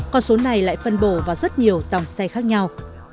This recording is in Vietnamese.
còn số này lại phân bổ vào rất nhiều dòng xe khác nhau